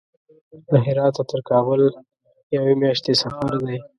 له هراته تر کابل یوې میاشتې سفر دی.